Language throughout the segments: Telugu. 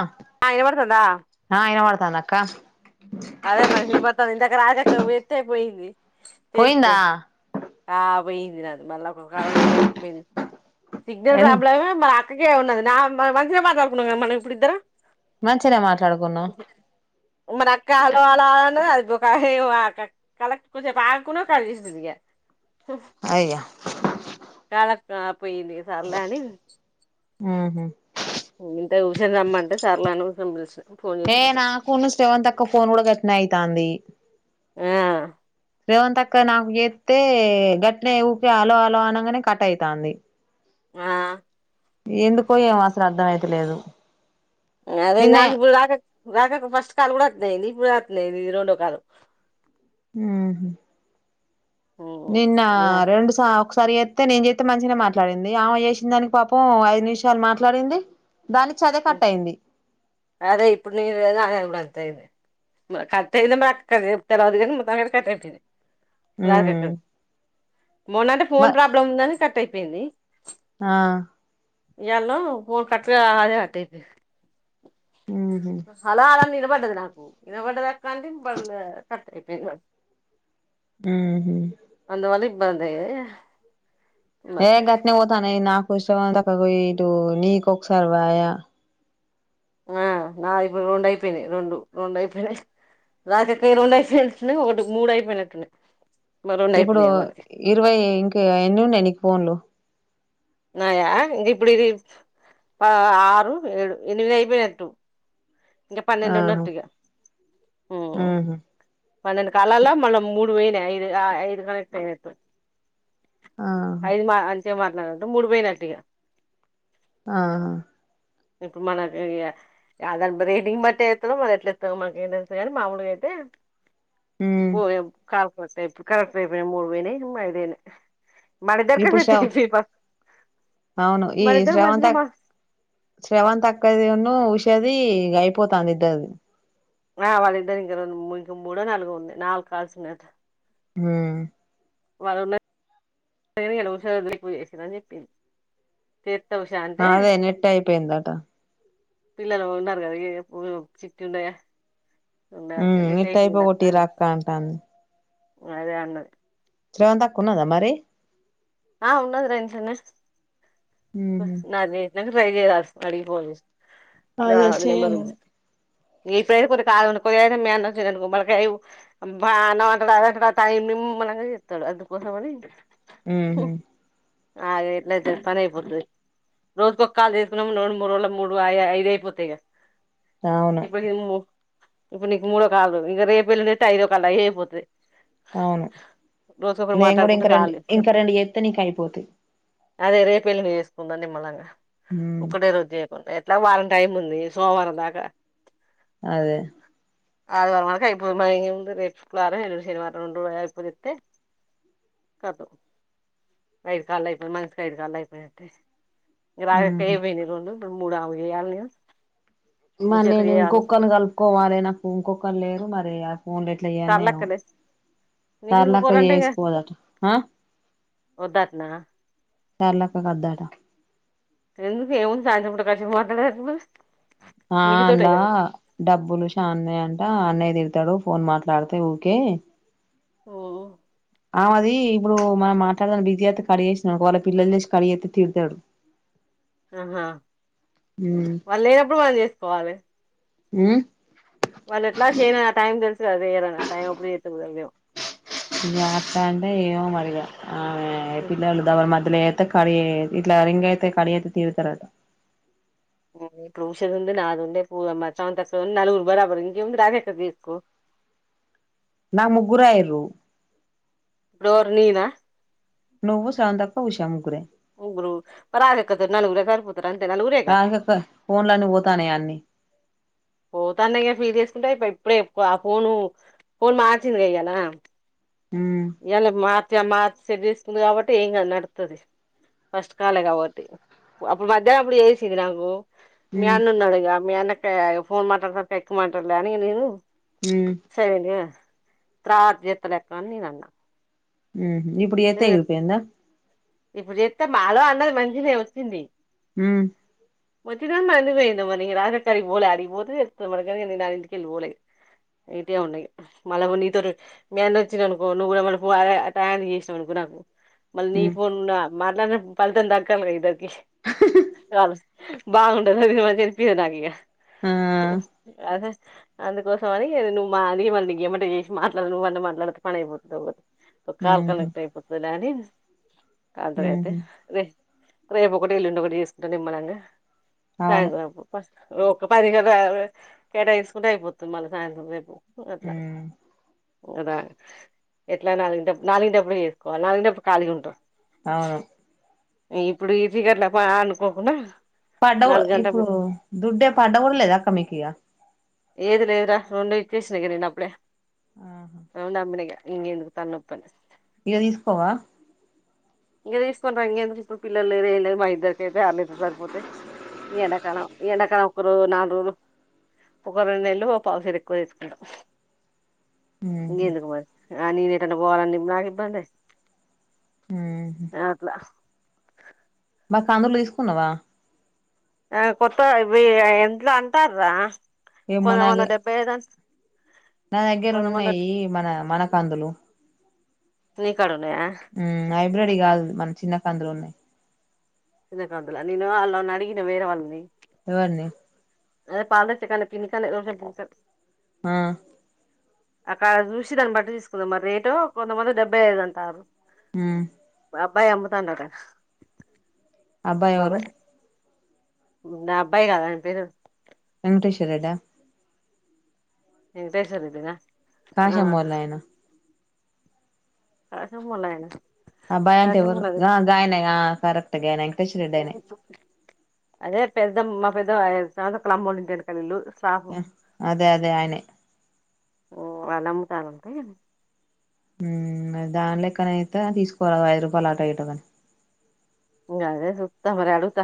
ఆ ఆ వినపడుతాందా ఆ వినపడుతాంది అక్కా అదే మరీ వినిపడతాంది ఇన్ రాజాక్కకు చేత్తే పోయింది చేస్తే పోయిందా ఆ పోయింది నాది మళ్ళ ఒక కాల్ కాలక్ పోయింది సిగ్నల్ ఎన్ ప్రాబ్లమే మరి గే ఉన్నది నా మంచిగా మాట్లాడుకున్నాం కద మనం ఇప్పుడు ఇద్దరం మంచిగనే మాట్లాడుకున్నం మరి అక్క హలో హలో అన్నది అది క కు కొంచెం సేపు ఆగకుండా కట్ చేసింది ఇంకా ఫ్ అయ్యా చాలా క్యాప్ పోయింది సర్లే అని ఊహు ఇంతే ఊషిందమ్మ అంటే సర్లే మోసం చేసే ఏ నాకూన్ను స్రవంతక్క ఫోన్ కూడా గట్నే అయితాంది ఆ స్రవంతక్క నాకు చేస్తే గట్నే ఊకే హలో హలో అనంగానే కట్ అయితాంది ఆ ఎందుకో ఏమో అసలు అర్ధం అయితలేదు అదే నిన్నే నాకు ఇప్పుడు దాక కాక ఫస్ట్ కాలు కూడా అట్నే అయ్యింది ఇప్పుడు అట్నే అయ్యింది రెండో కాలు ఉ హ్ నిన్న రెండు స ఒకసారి చేస్తతే నేను చేస్తతే మంచి గానే మాట్లాడింది ఆమె చేసింది అని పాపం ఐదు నిమిషాలు మాట్లాడింది దానిచ అదే కట్ట అయింది అదే ఇప్పుడు నేను అ అంత అయింది కట్ అయింది మరి అ తెల చెప్తే రాదు కానీ మొత్తం కూడా కట్ అయిపోయింది హమ్ రాధికక్క మొన్న అంటే ఫోన్ ప్రాబ్లం ఉందని కట్ అయిపోయింది ఆ ఎళ ఫోను కట్గా ఆదే కట్ అయిపోయింది ఊహు హలో హలో అలా నీ వినపడ్డాడి నాకు వినపడ్డాడి అక్క అంటే కట్ అయిపోయింది హమ్ [unintelligible] ఏ గటనే పోతున్నాయి విశ్వనాథ్ అక్కడ పోయి ఇటు నీకు ఒక సారి పాయ ఆ నా ఇప్పుడు రెండు అయిపోయినాయి రెండు ఆ ఆ నాకు ఇపుడు రెండు అయిపోయింది రెండు రెండు అయిపోయాయి రసాకే రెండు అయిపోయినట్లు ఒకటి మూడు అయిపోయినట్టున్నాయి మరి రెండు ఇప్పుడు అయిపోయినాయి మరి ఇరవై ఇంకా ఎన్ని ఉన్నాయి నీకు ఫోన్లు నాయ ఇది ఇప్పుడు ఇది ఆరు ఏడు ఎనిమిది అయిపోయినట్టు ఇంకా పన్నెండు ఆహా ఉన్నట్టుగా హమ్ ఉహు పన్నెండు కాలల్లో మనం మూడు ఇరవై ఆయన ఐదు ఆ ఐదు కనెక్ట్ అయినట్టు ఆ సేమ్ మాట్లాడంట ముడుపోయినట్లు ఇగ ఆా ఇపుడు మనకు ఇగ అలగ రేటింగ్ బట్టి ఇస్తాో రో మరి ఎట్లా ఇస్తారో మనకి ఏం తెలుసు గానీ మాముూలుగా అయితే ఉమ్ పోయె కాల్ కరెక్ట్ ఏ ఇపుడు కరెక్ట్ అయిపోనాయి మూడు పోయినాయి ఐదు అయినాయి మన ఇద్దరు కి ఇప్పుడు సెట్ శ్రవ్ అయింది అవును ఈ మా శ్రవంతక్ శ్రవంత అక్కది అను విష్ చది ఇగ అయిపోతాండిది ఇద్దరిది ఆ వాళ్ళిద్దరి ఇంక రెండు [unintelligible] మూడో నాలుగో ఉంది నాలుగు కాల్స్ ఉన్నాయి అంట హా వాళ్ళు [unintelligible] అని చెప్పింది పేర్ హ అదే నెట్టు అయిపోయిందట పిల్లలు ఉన్నారు కద ఇ ఇపు డు చిట్టి ఉండే ఉ నెట్ అయిపోగొట్టిరా అక్క అంటంది అదే అన్నది. స్రవంత్ అక్క ఉన్నదా మరి ఆ ఉన్నది రెంట్లనే హ ఉహు నాదే నాక్ ట్రై చేయాల్సి అడిగి ఫోన్ చేసి అదాల్స్ అది నెంబర్ చేయను ఉంది ఇప్పుడైతే కొది కాలిగున్న కొది అయితే మీ అన్న అచ్చిడనుకొ మల్ల కైవు బా అన్నం అంటడు అందంటడు అది టైమ్మిమ్ నిమ్మలంగ చెత్తడు అందుకోసమని ఊహు అది ఎట్ల అయితది పని అయిపోతది రోజుకో కాల్ చేసుకుందాం రోండ్ మూడు రోల్ల మూడు వాయే ఐద అయిపోతాయి గా అవును ఇప్పుడు ఇమ్ము ఇప్పుడు నీకు మూడో కాల్లు ఇంక రేపు ఎల్లుండి చేతే ఐదో కల్లు అయే పోతయి అవును నేను కూడా మాట్లాడుకుంటే ఇంకా రెండు చాలు ఇంకా రెండు చెత్ ఎత్తనికి అయిపోతాయి అదే రేపు ఎల్లుండి చేసుకుందాం నిమ్మలాంగా ఉమ్ ఒక్కడే రోజు చేయకు ఎట్లా వారం టైముంది సోమవారం దాకా అదే ఆదివారం వరకు అయిపోను మరి ఇంకా ఏముంది రేపు శుక్రవారం ఎల్లుండి శనివారం రెండ్రుల్ అయిపోదితే సరిపో ఐదు కాళ్ళు అయిపోన్ మానసుకు ఐదు కాళ్ళు అయిపోయినట్టే ఇంగ ఉహు రాజక్కాయి ఇవేన్ని రొండ్లు రెండు ము మూడు అవగేయాల్ని మరి నేను ఇంకొకన్ కలుపుకోవాలే నాకు ఇంకొకలు లేరు మరి ఆ ఫోన్లు ఎట్ల ఎట్ల చేయనో ఏమో సర్లక్కలే నీకు ఇంకో సర్లాక్క చేసుకోదట ఆ వద్దాట్నా సర్లక్కకు వద్దట ఎందుకు ఏముంది సాయంత్రం పూట కసేపు మాట్లాడేతపుడూ ఆ అన్ల డబ్బులు చానే అంట అన్నయ్య తిడు తడు ఫోన్ మాట్లాడితే ఊకే ఓహ్ ఆ అది ఇప్పుడు మనం మాట్లాడతాంటె బిజీ అత్తే కడిచేసిననుకో ఆళ్ళ పిల్లలు చేసి కడిచేతే తీడుతడు ఆ వాళ్ళు లేనప్పుడు మనం చేసుకోవాలే హ వాళ్ళు ఎట్లా చేయను ఆ టైం తెలుసు అదే కదా ఆ టైం అప్పుడు చేతే కుదర్దేమో ఇగ అట్ట అంటే ఏమో మరిగా ఆమే పిల్లలు దబన మార్ ఇది ఎలా చేస్త కట్ అయి ఇట్లా రంగ ఏతే కట్ చేస్తే తీరుతడి అంటా. ఇప్పుడు ఉషది ఉంది నాది ఉంది. పూ మరి శాంతి అక్క ఉంది నలుగురు బరాబర ఇంకెంది డైరెక్ట్ తీసుకో. నా ముగ్గురే అయిరు ఇపుడు ఎవరు నిన్నా నువు శాంతి అక్క, ఉష ముగ్గురే ముగురు శ్రావ్య అక్క తోటి నల్గురు సరిపోత ఆగు అక్క ఫోన్లు అన్ని పోతోనే అన్ని. పోతంనాయి ఫీడ్ చేసుకుంటా అయిపోయి ఇప్పుడే చెపు ఆ ఫోను ఫోన్ మార్చింది కదా ఇయాలా మ్మ్ ఇయాలా మార్చ జమా సెట్ చేసుకుంది కాబట్టి ఏం కాదు నడుతది ఫస్ట్ కాలే కాబట్టి అప్పుడు మధ్యానం అప్పుడు చేసింది నాకు మీ మ్మ్ అన్న ఉన్నాడు గా మీ అన్నా [unintelligible] ఫోన్ మాటలు శాఖగా ఏకువ మాట్లాడుతుంది. కానీ ఇది ఎండు మ్మ్ సరే నా తరువాత చెప్తా లే అక్క అని నేను అన్నా. హమ్ ఇప్పుడు చేస్తే వేలిపోయిందా. ఇప్పుడు చేస్తే మాలో అందరికీ మంచిగా నే వచ్చింది. హమ్ వచ్చినమ్మా అందుపోయింద మరి రాజక్కారి పోలే అడిగిపోతే చెాన నా ఇంటికెళ్ళి పోలేదు. అయితే ఉన్నాయి మళ్ళ నీతో మీ అంద వచ్చినుకో నువ్వు మ అనుకో నాకు మళ్ళీ నీ మ్మ్ ఫోన్ల మాట్లాడిన ఫలితం దక్కాల ఇద్దరికి కాదు. బాగుండదు అ మ చనిపింది నాకు ఇక ఆ అదే అందుకోసం అని నువు మా అది మళ్ళీ ఏమట చేసి మాట్లాడ నువ్ అంట మాట్లాడితే పని అయిపోతది. హమ్ లాని కాద్రే అయితే మ్మ్ రే రేపు ఒకటి ఎల్లుండి ఒకటి చేసుకు చేసుకుండే ఏం అన్నంగా అవును సాయింత్రం అపుడు పా ఒక పదిహేల కేటాయించుకుంటే అయిపోతుంది. మళ్ళీ సాయంత్రం రేపు అలా మ్మ్ అదా ఎట్లా న బ్ నాలుగు డబ్ ఇయదు కొ అ కాలిగా ఉంట అవును ఇప్పుడు ఇదిగర్ల అనుకోకుండా పడ్డ నాలుగు ఇప్పుడు గంటప్పుడు దుడ్డే పడ్డ కూడలేదాక్క మీకు ఇక. ఏదు లేదురా రెండు ఇచ్చేసినక నేను అప్పుడే ఆహా అవు నామ్నగా ఇం ఎందుకు తన్నప్పను ఇక తీసుకోవా ఇంకా తీసుకుంటారు ఇంకేందుకు ఇప్పుడు పిల్లలుదు ఏం లేదు మా ఇద్దరికయితే అర్లయితే సరిపోతే ఈ ఎండాకాలం ఈ ఎండాకాలం ఒక రోజు నాలుగు రోజులు ఒక రెండు నెళ్ళు పావుసడ్ ఎక్కువ తీసుకుంటాం మ్మ్ గేందకుమార్ ఆ నీనే ఏట పోవాలని నాకి ఇబ్వే హ్మ్ అట్లా బ అందులు తీసుకున్నావా ఆ కొత్త ఇ ఎట్లో అంటార ఏమో కొంద నాగే కొంద డెబ్బై ఐదాం నా దగ్గర ఉన్నాయి మన మనకాందులు న క ఉ అయి ముంద్రెడి కాదు మన చిన్నక అందులో ఉన్నాయి ఇ కావదుల నేను అలా నడిగిన వరే వాళ్ళుని ఎవన్న అదే పాలచ్చ పినూ ఆ అక్కడ చూసి దాన్ని బట్టి తీసుకుందాం మరి రేటు కొంతమంది డెబ్బై ఐదు అంటారు ఊ బబ్బాయి అమ్మ తాండట అబ్బా ఎవరు నా అబ్బా కాదని ఫరు వెంకటేశ్వరెడ్డా నను తెేసర్దనా కా సమోరలాయనా కస మలాయనా ఆ భయ అంటే ఎవరు ఆ గాయనా కరక్ట్గాం స స అదే పెద్ద మా పెద్ద ఐదుాం కలమ్మోలు ఉంటాండి కల అదే అదే ఆయనే ఓ అలా అమ్ముతారంటా ఉమ్ దాని లెక్కనయితే తీసుకోవాలి ఐదు రూపాయలు ఆటో ఇటో కానీ అదే సూత్త మరి అడుగుత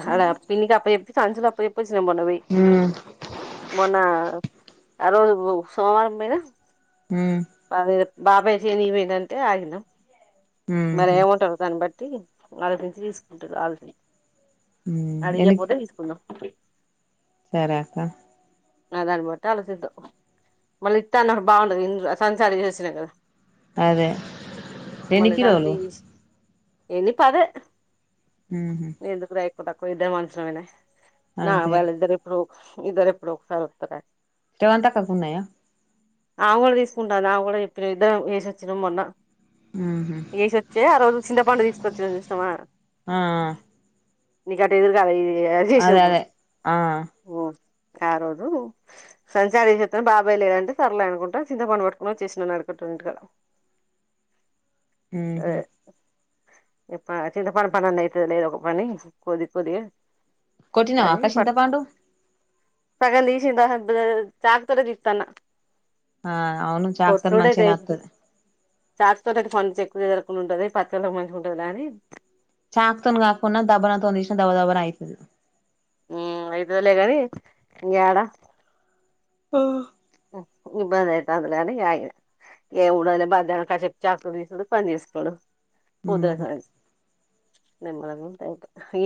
పి కా అప సంచులపేపర్ మనవి ఉమ్ ఓ అన్నా ఆ రోజు సోమవారం పోయినా ఉమ్ బాబాయ్య సేనికి పోయింది అంటే ఆగినాం మరి ఉహు ఏముంట తాను బట్ వాళ్ళు ఇట్ల చూస్తే అంటే రాల్ని ఉమ్ అడిగే ఎన్ని పోతే తీసుకుందాం అే సరే అక్కా ఆ దాన్ని బట్టి ఆలోచిద్దాం మళ్ళీ ఇత్తా అన్నప్పుడు బాగుండదు సంచారి చేసినాం కదా అదే ఎన్ని కిలోలు ఏంది పదే ఉమ్ పది కి తక్కువ అయిందేమో అనుకున్నానే నా అంతే వాళ్ళద్దరు ఇప్పుడు ఇద్దరు ఎప్పుడో ఒకసారి వస్తారు రేవంతక్కకు ఉన్నాయా ఆమె కూడా తీసుకుంటాంది ఆమె ఇద్దరం వేసొచ్చినాం మొన్న ఉహు ఏసొచ్చే ఆ రోజు చింత పండు తీసుకొచ్చినాం ఇష్టమా ఆ నీకు అటు ఇటు గా అది అదే వేసోచ్చినప్పుడు అదే ఆ ఓ ఆ రోజు సంచార చేసేస్తను బాబాయ్ లేదంటే సర్లే అనుకుంటా చింతపండు పట్టుకొని వచ్చేసినాను అది కూడా కరెక్టే కదా ఉహూ ఇప్ప చింత ప పని అన్న అయితదిలే ఏదో ఒక పని కోది కోది కొట్టినావా అక్క చింతపండు పగల్ తీసి చాక్ తోటే తీస్తున్న ఆ అవును చాక్ తోటి మంచిగనే వస్తాది చాక తోటకి మంచి ఎక్కువ ఎదురకుని ఉంటుంది పచ్చ వాళ్ళకి మంచిగా ఉంటది లె అని చాక్తోని కాకకుడా దబ్బన తొసి తీసినా దబ దబా అయితది హమ్ అయితదిలేగాని ఏడ హా హమ్ ఇబ్బంది అయితోంది లే గాని ఆ ఏ ఉఊడనే బా కసపు చాకులు తీసుడు పని చేసుకోడం పుదా ఉమ్ సాయి నమ్ల ఉ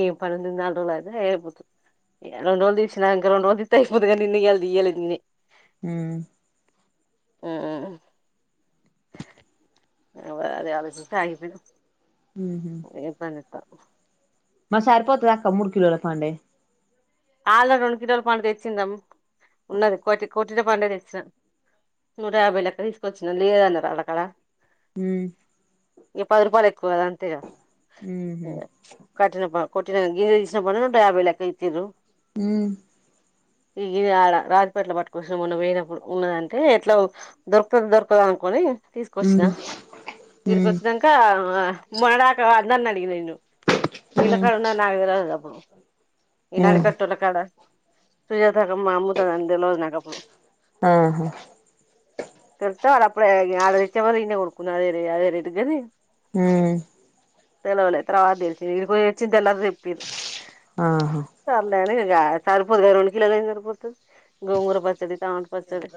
ఏం ప నాలుగు రోళు అయిాేపోతు రెడ్ రోజు దసిన నాం రండ్ రోజ దాయిపోంది నిన్న ఎల్ది ఏది న హమ్ హమ్ అదే [unintelligible] ఉహు ఎ పని త మరి సరిపోతదా అక్క మూడు కిలోల [unintelligible] వాళ్ళ రెండు కిలోల పండు తెచ్చిందాం ఉన్నది కోటి కోటిర పండు తెచ్చిన నూట యాభై లెక్క తీసుకొచ్చిన లేదన్నారు వాళ్ళ కాడా హమ్ ఇ పది రూపాయలు కుదరదు అంటే ఇగ ఉహు [unintelligible] కొట్టినకా ఏం చేసిన పనులు యాభైలక్క ఇచ్చిరు హమ్ ఈ ఇది ఆడ రాజపేటలో పట్టుకోనీ వస్తె మొన్న పోయినప్పుడు ఉన్నదంటే ఎట్లా దొరుకదు దొరకదు అనుకోని తీసుకొచ్చినా ఉమ్ ఇడికి ఉమ్ వచ్చినాక మాడాక నన్న అడిగినను ఉమ్ విళకాడన్నా నా నాకు తెల్వదు అప్పుడు ఈనాడు ఉమ్ కట్ట సుజాతకమ్ మా అమ్ముతది అని తెల్వదు నాకు అప్పుడు ఆహా తో అది అప్పుడే అడ బదులు ఇడనే కొనుకునారు అదేే అదే రేటు గాని హమ్ తెలవలే తర్వాత తెల్సింది ఇడికి పోయి ఒచ్చింది తర్వాత ఆహా సరే ఇగ సరిపోదు గా రెండు కిలోలు ఏం సరిపోతుంది గోంగుర పచ్చడి టమోటా పచ్చడి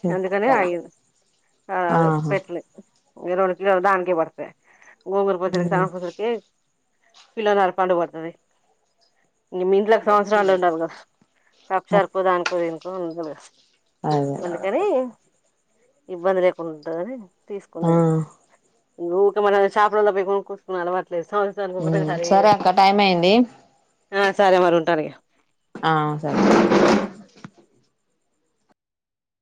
చెత్త అందుకనే ఆగిన ఆ ఆహా పెట్టలేదు ఈ రెండు కిలోలు దానికే పడతాయి గోంగూర పచ్చడి ఉమ్ టమోటా పచ్చడి కి కిలో [unintelligible] పడతది నీ మీ ఇంట్లో సమాచారాలు ఉంటారు కదా ఆ సరకో దానికో దీనికో అ ఉంటా లే అదే ఇబ్బంది లేకుండా ఉంటది అని తీసుకునింది ఆ ఊరికే మనం చాపల్లలో కొనుకొచ్చుకునే అలవాటు లే ఉమ్ సరే అక్క టైం అయ్యింది ఆ సరే మరి ఉంటాను ఇగా ఆ సరే